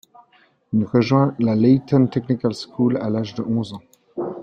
Il rejoint la Leyton Technical School à l'âge de onze ans.